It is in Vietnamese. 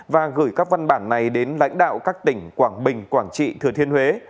và gửi các văn bản này đến lãnh đạo các tỉnh quảng bình quảng trị thừa thiên huế